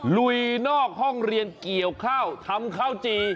ลุยนอกห้องเรียนเกี่ยวข้าวทำข้าวจี่